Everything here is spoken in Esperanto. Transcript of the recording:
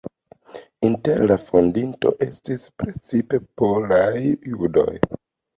Inter la fondintoj estis precipe polaj judoj.